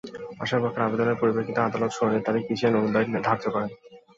আসামিপক্ষের আবেদনের পরিপ্রেক্ষিতে আদালত শুনানির তারিখ পিছিয়ে নতুন তারিখ ধার্য করেন।